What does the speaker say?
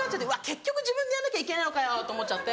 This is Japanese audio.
結局自分でやんなきゃいけないのかよと思っちゃって。